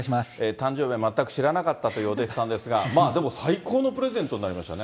誕生日は全く知らなかったというお弟子さんでしたが、最高のプレゼントになりましたね。